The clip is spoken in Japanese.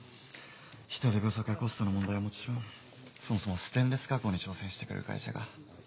人手不足やコストの問題はもちろんそもそもステンレス加工に挑戦してくれる会社が。